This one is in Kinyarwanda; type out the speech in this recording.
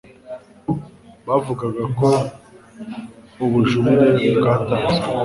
Bwavugaga ko ubujurire bwatanzwe